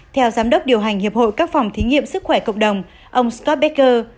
theo giám đốc điều hành hiệp hội các phòng thí nghiệm sức khỏe cộng đồng ông scott becker